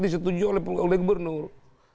disetujui oleh gubernur